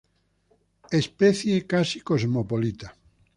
Especie casi cosmopolita.